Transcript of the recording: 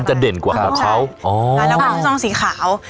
มันจะเด่นกว่าเหมือนเขาอ๋อแล้วก็เป็นสองสีขาว